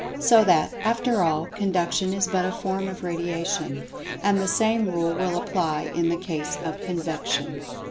So that, after all, Conduction is but a form of Radiation. And the same rule will apply in the case of Convection.